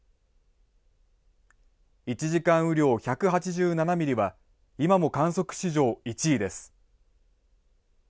１時間雨量１８７ミリは、今も観測史上１位です。